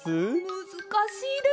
むずかしいです。